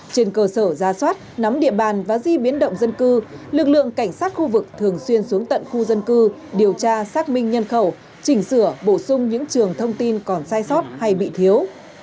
trên cơ sở ra soát nắm địa bàn và di biến động dân cư lực lượng cảnh sát khu vực thường xuyên xuống tận khu dân cư điều tra xác minh nhân khẩu chỉnh sửa bổ sung những trường thông tin còn sai sót hay bị thiếu